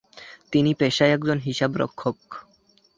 তিনি পেশায় একজন হিসাবরক্ষক।